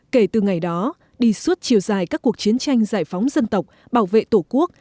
kể từ ngày đó đi suốt chiều dài các cuộc chiến tranh giải phóng dân tộc bảo vệ tổ quốc